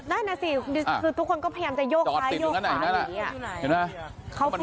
ได้นะสิคือทุกคนก็พยายามจะโยกขาโยกขาอยู่นี่